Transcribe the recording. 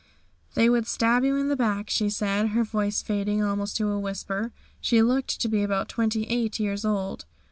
"They would stab you in the back," she said, her voice fading almost to a whisper. She looked to be about twenty eight years old.